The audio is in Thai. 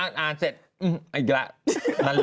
เนื้อยุเฮีเบ่น